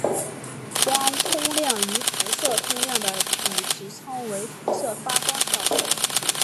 光通量与辐射通量的比值称为辐射发光效率。